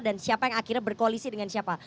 dan siapa yang akhirnya berkoalisi dengan siapa